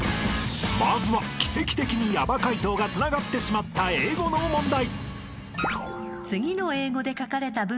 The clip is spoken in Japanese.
［まずは奇跡的にヤバ解答がつながってしまった英語の問題］